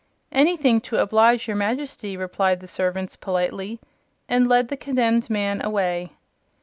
"Anything to oblige your Majesty," replied the servants, politely, and led the condemned man away.